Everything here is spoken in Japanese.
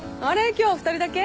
今日は２人だけ？